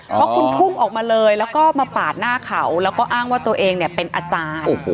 เพราะคุณพุ่งออกมาเลยแล้วก็มาปาดหน้าเขาแล้วก็อ้างว่าตัวเองเนี่ยเป็นอาจารย์